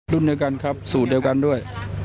รุ่นเดียวกันครับสูตรเดียวกันด้วย